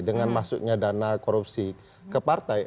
dengan masuknya dana korupsi ke partai